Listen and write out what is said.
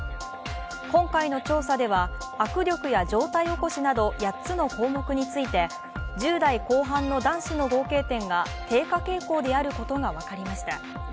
今回の調査では握力や上体起こしなど８つの項目について、１０代後半の男子の合計点が低下傾向であることが分かりました。